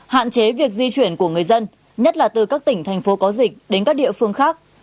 hạn chế việc di chuyển của người dân nhất là từ các tỉnh thành phố có dịch đến các địa phương khác